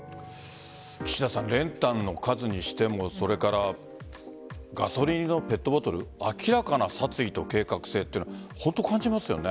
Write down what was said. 岸田さん、練炭の数にしてもそれからガソリンのペットボトル明らかな殺意と計画性って本当、感じますよね。